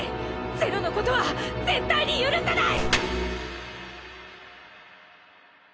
是露のことは絶対に許さない！